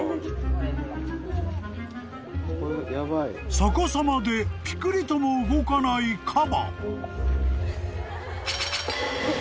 ［逆さまでぴくりとも動かないカバ］